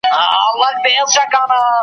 پلار دی راغی لکه پړانګ وو خښمېدلی .